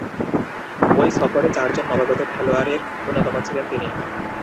ঐ সফরে চারজন নবাগত খেলোয়াড়ের অন্যতম ছিলেন তিনি।